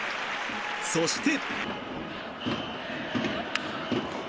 そして。